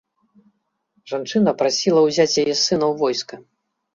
Жанчына прасіла ўзяць яе сына ў войска.